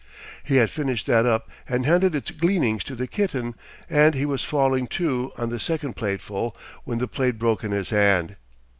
He had finished that up and handed its gleanings to the kitten and he was falling to on the second plateful, when the plate broke in his hand!